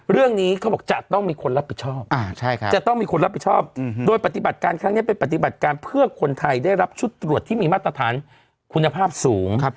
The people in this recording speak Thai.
เรื่องนี้เขาบอกจะต้องมีคนรับผิดชอบจะต้องมีคนรับผิดชอบโดยปฏิบัติการครั้งนี้เป็นปฏิบัติการเพื่อคนไทยได้รับชุดตรวจที่มีมาตรฐานคุณภาพสูง